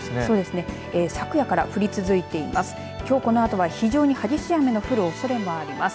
昨夜から降り続いています。